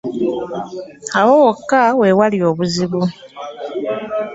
Awo wokka we wali obuzibu.